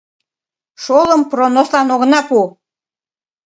— Шолым пронослан огына пу!